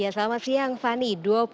selamat siang fani